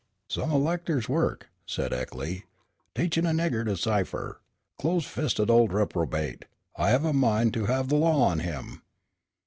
"Some o' Leckler's work," said Eckley, "teaching a nigger to cipher! Close fisted old reprobate, I've a mind to have the law on him."